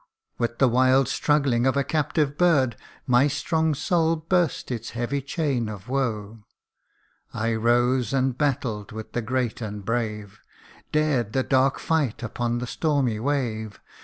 With the wild struggling of a captive bird, My strong soul burst its heavy chain of woe. I rose and battled with the great and brave, Dared the dark fight upon the stormy wave.